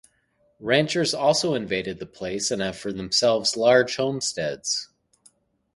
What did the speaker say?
Ranchers also invaded the place and have for themselves large homesteads.